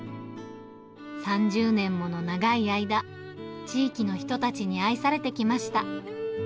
３０年もの長い間、地域の人たちに愛されてきました。